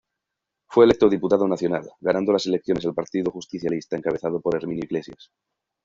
Fue electo diputado nacional, ganando las elecciones al Partido Justicialista encabezado por Herminio Iglesias.